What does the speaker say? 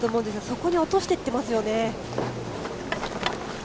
そこに落としていってますよね。